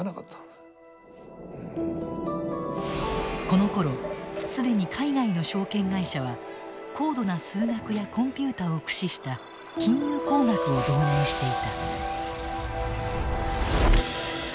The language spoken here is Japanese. このころ既に海外の証券会社は高度な数学やコンピューターを駆使した金融工学を導入していた。